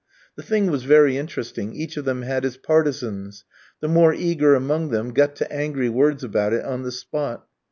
The thing was very interesting, each of them had his partisans; the more eager among them got to angry words about it on the spot.